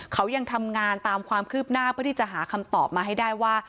เขายังทำงานตามความคืบหน้าเพื่อที่จะหาคำตอบมาให้ได้ว่า